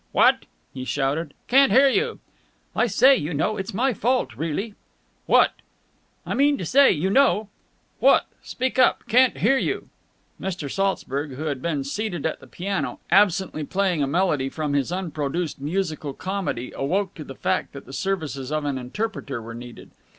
"What?" he shouted. "Can't hear you!" "I say, you know, it's my fault, really." "What?" "I mean to say, you know...." "What? Speak up, can't you?" Mr. Saltzburg, who had been seated at the piano, absently playing a melody from his unproduced musical comedy, awoke to the fact that the services of an interpreter were needed.